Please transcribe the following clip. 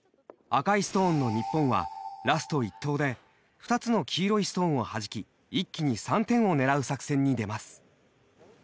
赤いストーンの日本はラスト１投で２つの黄色いストーンをはじき一気に３点を狙う作戦に出ます。